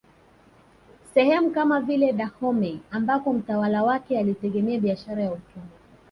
Sehemu kama vile Dahomey ambako mtawala wake alitegemea biashara ya utumwa